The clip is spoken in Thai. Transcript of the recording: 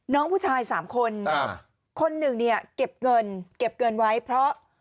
น้องผู้ชายสามคนคนหนึ่งเก็บเงินไว้เพราะ